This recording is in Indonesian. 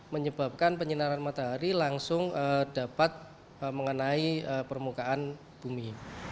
menyebabkan penyinaran matahari langsung dapat mengenai permukaan bumi